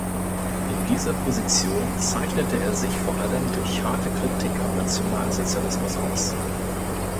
In dieser Position zeichnete er sich vor allem durch harte Kritik am Nationalsozialismus aus.